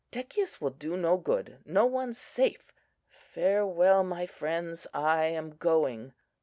Decius will do no good. No one's safe! Farewell, my friends! I am going.